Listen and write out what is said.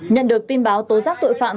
nhận được tin báo tối giác tội phạm